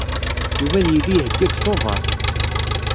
Yuba ad yili ihegga deg Tubeṛ.